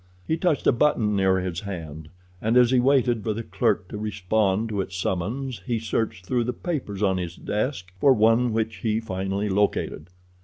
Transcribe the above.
He touched a button near his hand, and as he waited for the clerk to respond to its summons he searched through the papers on his desk for one which he finally located.